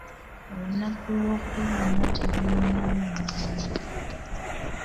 Olunaku lw'okulonda terunalondebwa.